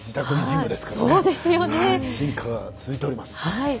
進化が続いております。